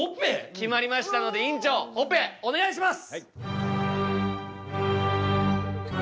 決まりましたので院長オペお願いします！